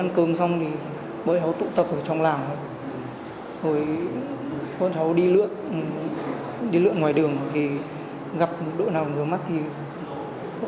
cháu không biết cháu thấy trong nhóm bạn đi thì cháu đi theo